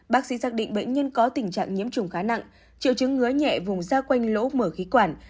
bác sĩ xác định bệnh nhân có tình trạng nhiễm trùng khá nặng triệu chứng ngứa nhẹ vùng gia quanh lỗ mở khí quản